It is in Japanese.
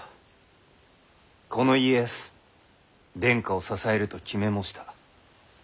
この家康殿下を支えると決め申した。